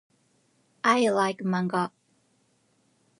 I like manga.